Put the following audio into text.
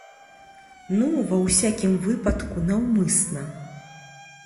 Ну, ва ўсякім выпадку, наўмысна.